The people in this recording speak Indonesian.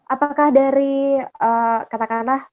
apakah dari katakanlah